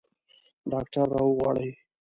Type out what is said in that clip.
ډاکټر راوغواړئ